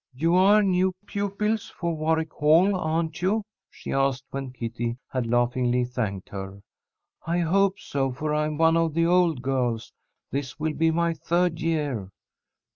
"You are new pupils for Warwick Hall, aren't you?" she asked, when Kitty had laughingly thanked her. "I hope so, for I'm one of the old girls. This will be my third year."